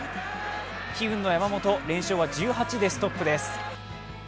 悲運の山本、連勝は１８でストップです。